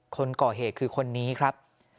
คนก่อเหตุคือคนนี้ครับ